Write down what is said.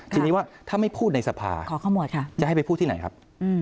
ทีนี้ถ้าไม่พูดในสภาจะให้ไปพูดที่ไหนครับ